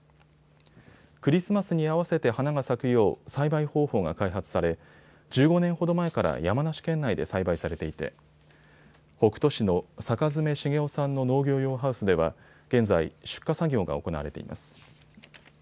クリスマスに合わせて花が咲くよう栽培方法が開発され１５年ほど前から山梨県内で栽培されていて北杜市の坂爪成夫さんの農業用ハウスでは現在、出荷作業が行われています。